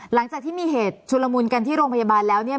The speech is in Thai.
หลังจากที่มีเหตุชุลมุนกันที่โรงพยาบาลแล้วเนี่ย